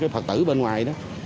phật tử bên ngoài